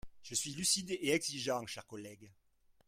Je suis lucide et exigeant, chers collègues.